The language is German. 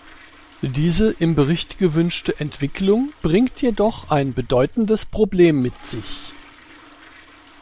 Diese im Bericht gewünschte Entwicklung bringt jedoch ein bedeutendes Problem mit sich.